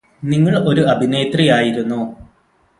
നിങ്ങള് ഒരു അഭിനേത്രിയായിരുന്നോ